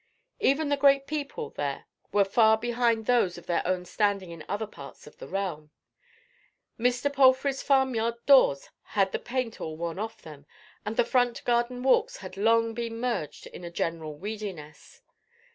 Even the great people there were far behind those of their own standing in other parts of this realm. Mr. Palfrey's farmyard doors had the paint all worn off them, and the front garden walks had long been merged in a general weediness.